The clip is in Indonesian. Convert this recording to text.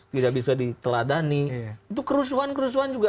tidak bisa diteladani